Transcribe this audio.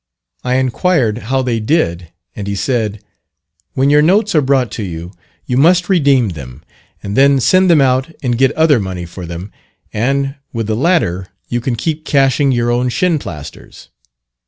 I inquired how they did, and he said, "When your notes are brought to you, you must redeem them, and then send them out and get other money for them; and, with the latter, you can keep cashing your own Shinplasters."